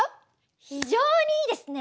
非常にいいですね！